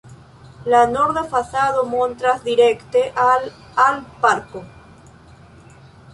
La norda fasado montras direkte al al parko.